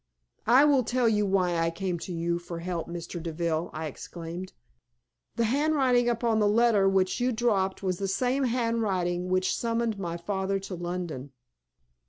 "I will tell you why I came to you for help, Mr. Deville," I exclaimed. "The handwriting upon the letter which you dropped was the same handwriting which summoned my father to London."